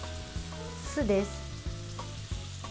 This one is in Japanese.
酢です。